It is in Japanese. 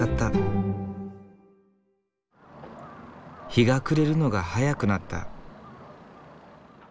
日が暮れるのが早くなった。